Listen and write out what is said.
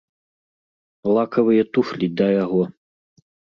Лакавыя туфлі да яго.